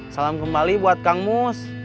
salam kembali buat kang mus